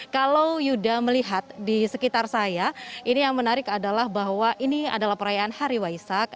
kalau yuda melihat di sekitar saya ini yang menarik adalah bahwa ini adalah perayaan hari waisak